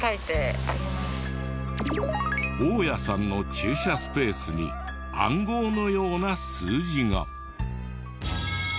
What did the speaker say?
大家さんの駐車スペースに暗号のような数字が。